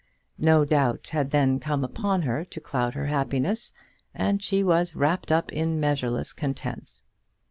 No doubt had then come upon her to cloud her happiness, and she was "wrapped up in measureless content."